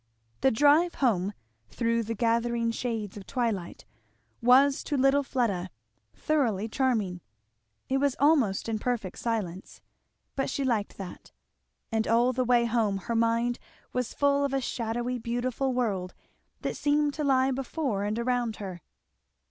The drive home, through the gathering shades of twilight, was to little Fleda thoroughly charming. It was almost in perfect silence, but she liked that; and all the way home her mind was full of a shadowy beautiful world that seemed to lie before and around her.